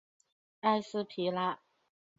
埃斯皮拉。